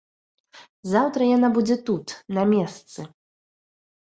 Заўтра яна будзе тут, на месцы.